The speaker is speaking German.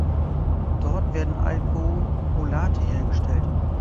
Dort werden Alkoholate hergestellt.